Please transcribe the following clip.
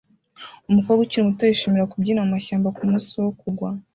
Umukobwa ukiri muto yishimira kubyina mumashyamba kumunsi wo kugwa